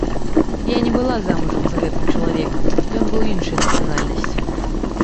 Я не была замужам за гэтым чалавекам, ён быў іншай нацыянальнасці.